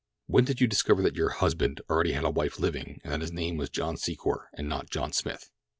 "When did you discover that your 'husband' already had a wife living, and that his name was John Secor and not John Smith?"